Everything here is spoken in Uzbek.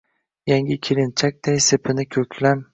Yangi kelinchakday sepini ko’klam